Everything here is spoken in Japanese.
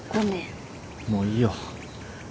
もういいよ。